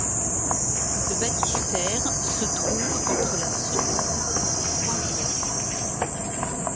Le baptistère se trouve entre la seconde et troisième.